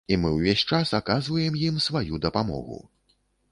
І мы ўвесь час аказваем ім сваю дапамогу.